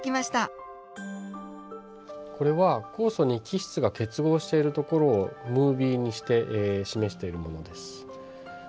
これは酵素に基質が結合しているところをムービーにして示しているものです。